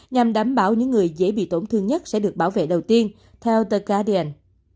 nhằm đảm bảo những người dễ bị tổn thương nhất sẽ được bảo vệ đầu tiên theo the guardian